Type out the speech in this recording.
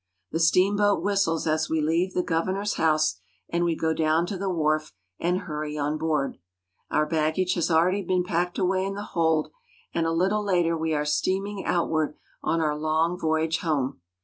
The steamboat whistles as we leave the governor's house, and we go down to the wharf and hurry on board. Our baggage has already been packed away in the hold, and a little later we are steaming outward on our long voyage home.